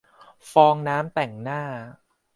ฟองน้ำแต่งหน้า